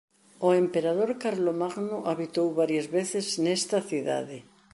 O emperador Carlomagno habitou varias veces nesta cidade.